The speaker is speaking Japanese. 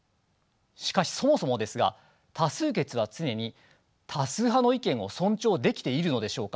しかしそもそもですが多数決は常に多数派の意見を尊重できているのでしょうか。